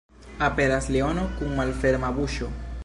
Aperas leono kun malferma buŝo.